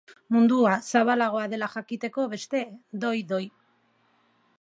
Mundua zabalagoa dela jakiteko beste, doi-doi.